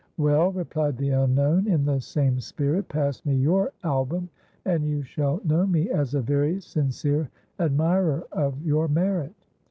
"Well," replied the unknown, in the same spirit, "pass me your album, and you shall know me as a very sincere admirer of your merit."